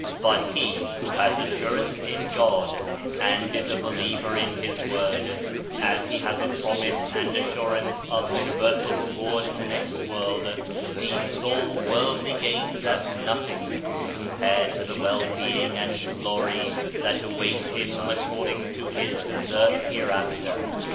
But he who has assurance in God and is a believer in his Word, as he has a promise and assurance of universal reward in the next world, deems all worldly gains as nothing, compared to the well being and glory that await him according to his deserts hereafter.